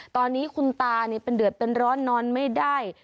ตอนนี้คุณตาเป็นเดือดเป็นร้อนนอนไม่ได้